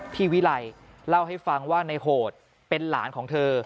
วิไลเล่าให้ฟังว่าในโหดเป็นหลานของเธอ